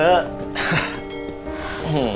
makasih ya tante